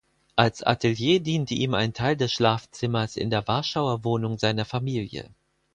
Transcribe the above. Als Atelier diente ihm ein Teil des Schlafzimmers in der Warschauer Wohnung seiner Familie.